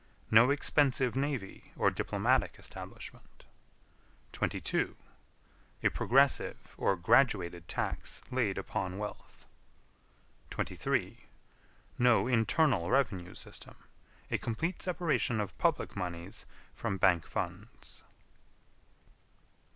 No expensive navy or diplomatic establishment. 22. A progressive or graduated tax laid upon wealth. 23. No internal revenue system. A complete separation of public moneys from bank funds.